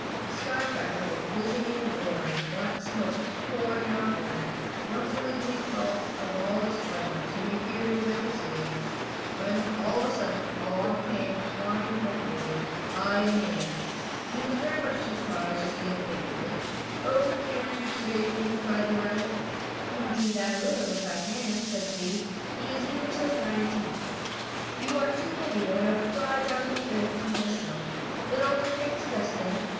The sky cracker was whizzing and roaring, and black smoke was pouring out of one end, and Uncle Wiggily thought of all his friends whom he feared he would never see again, when all of a sudden along came flying the buzzing bumble bee, high in the air. He was much surprised to see Uncle Wiggily skimming along on the tail of a sky cracker. "Oh, can't you save me?" cried the rabbit. "Indeed I will, if I can," said the bee, "because you were so kind to me. You are too heavy, or I would fly down to earth with you myself, but I'll do the next best thing.